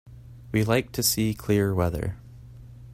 We like to see clear weather.